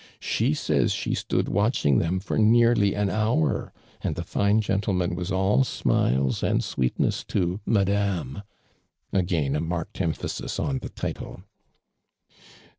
She says she stood watching them for nearly an hour ; and the fine gen tleman was ail smiles and sweetness to Madame,' (again a marked emphasis on the title).